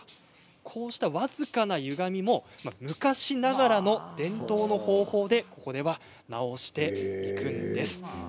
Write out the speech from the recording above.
こうした僅かなゆがみも昔ながらの伝統の方法でこれは直していくんです。